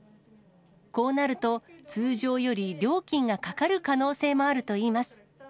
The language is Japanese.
こうなると、通常より料金がかかる可能性もあるといいます。